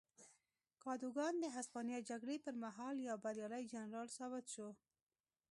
کادوګان د هسپانیا جګړې پر مهال یو بریالی جنرال ثابت شو.